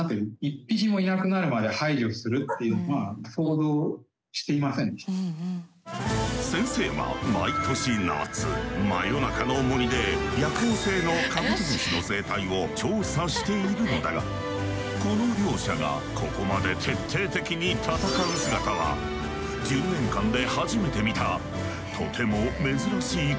戦い開始から先生は毎年夏真夜中の森で夜行性のカブトムシの生態を調査しているのだがこの両者がここまで徹底的に戦う姿は１０年間で初めて見たとても珍しい光景だという。